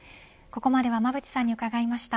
ここまでは馬渕さんに伺いました。